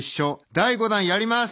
第５弾やります！